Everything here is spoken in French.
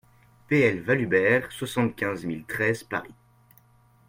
PL VALHUBERT, soixante-quinze mille treize Paris